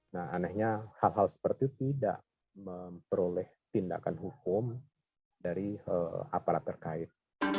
nah anehnya hal hal seperti itu tidak memperoleh tindakan hukum dari aparat terkait